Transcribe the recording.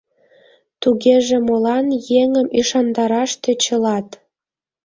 Тугеже молан еҥым ӱшандараш тӧчылат?